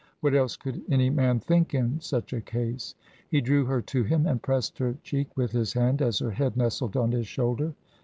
What else could any man think in such a case? He drew her to him, and pressed her cheek with his hand as her head nestled on his shoulder.